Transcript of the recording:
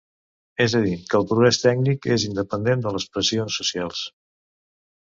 És a dir, que el progrés tècnic és independent de les pressions socials.